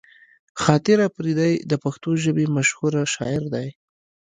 خاطر اپريدی د پښتو ژبې مشهوره شاعر دی